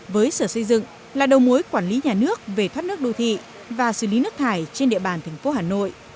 với sở xây dựng là đầu mối quản lý nhà nước về thoát nước đô thị và xử lý nước thải trên địa bàn tp hà nội